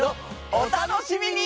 お楽しみに！